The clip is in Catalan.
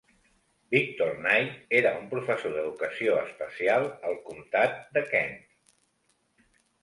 Victor Knight era un professor d"educació especial al comtat de Kent.